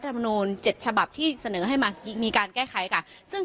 ดำนวนเจ็ดฉบับที่เสนอให้มามีการแก้ค้าค่ะซึ่ง